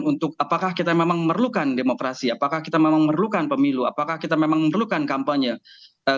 untuk apakah kita memang memerlukan demokrasi apakah kita memang memerlukan pemilu apakah kita memang memerlukan kampanye